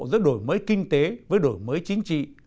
giữa đổi mới kinh tế với đổi mới chính trị